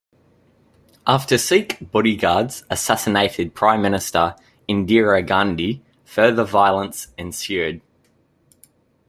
After Sikh bodyguards assassinated Prime Minister Indira Gandhi, further violence ensued.